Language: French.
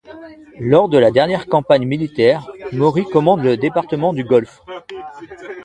Lors de la dernière campagne militaire, Maury commande le département du golfe.